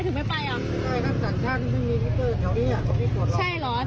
ใช่ค่ะศักดิ์ชาติที่มีนิเตอร์แถวนี้